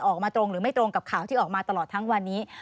ออกมาตรงหรือไม่ตรงกับข่าวที่ออกมาตลอดทั้งวันนี้